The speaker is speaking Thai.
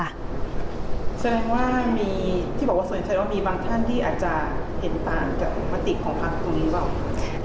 ที่บอกว่าส่วนใหญ่ใจว่ามีบางท่านที่อาจจะเห็นตามกับมติของภักดิ์คุณหรือเปล่า